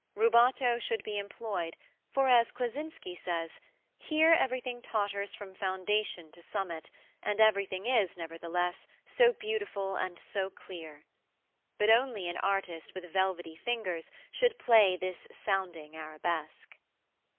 Rubato should be employed, for, as Kleczynski says, "Here everything totters from foundation to summit, and everything is, nevertheless, so beautiful and so clear." But only an artist with velvety fingers should play this sounding arabesque.